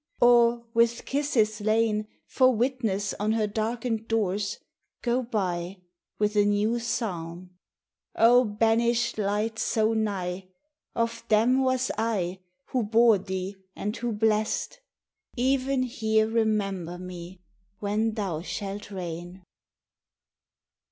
or, with kisses lain For witness on her darkened doors, go by With a new psalm: "O banished light so nigh! Of them was I, who bore thee and who blest: Even here remember me when thou shalt reign."